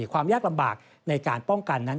ความยากลำบากในการป้องกันนั้น